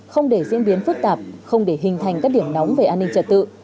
không để diễn biến phức tạp không để hình thành các điểm nóng về an ninh trật tự